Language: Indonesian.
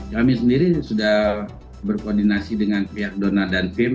kami sendiri sudah berkoordinasi dengan pihak donat dan fim